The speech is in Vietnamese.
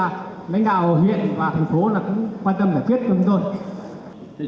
tôi đề nghị là lãnh đạo huyện và thành phố là cũng quan tâm giải quyết cho chúng tôi